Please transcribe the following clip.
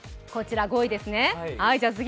５位ですね。